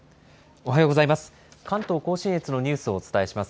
おはようございます。